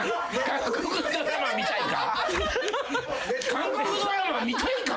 韓国ドラマみたいか？